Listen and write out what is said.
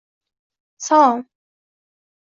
— Salom.